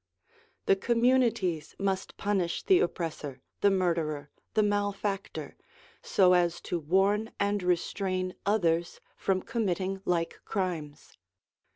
The communities must punish the oppressor, the murderer, the malefactor, so as to warn and restrain others from committing like crimes.